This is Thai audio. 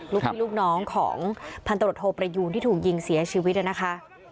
ลูกพี่ลูกน้องของพันตรวจโทประยูนที่ถูกยิงเสียชีวิตนะคะ